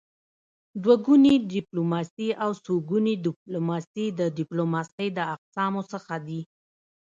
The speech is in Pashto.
دوه ګوني ډيپلوماسي او څوګوني ډيپلوماسي د ډيپلوماسی د اقسامو څخه دي.